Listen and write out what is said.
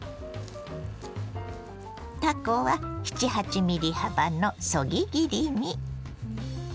たこは７８ｍｍ幅のそぎ切りに。